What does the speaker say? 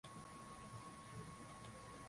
mto mrefu ni bora kwa kupiga minyororo